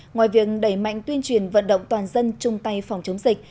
ngoài việc đẩy mạnh tuyên truyền vận động toàn dân chung tay phòng chống dịch